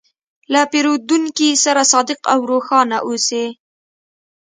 له پیرودونکي سره صادق او روښانه اوسې.